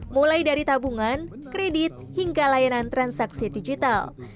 mulai dari tabungan kredit hingga layanan transaksi digital